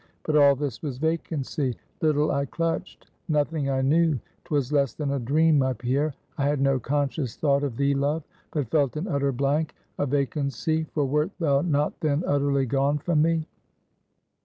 But all this was vacancy; little I clutched; nothing I knew; 'twas less than a dream, my Pierre, I had no conscious thought of thee, love; but felt an utter blank, a vacancy; for wert thou not then utterly gone from me?